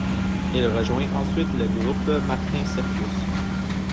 Il rejoint ensuite le groupe Martin Circus.